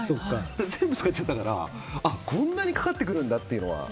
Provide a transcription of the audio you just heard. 全部使っちゃったからこんなにかかってくるんだっていうのは。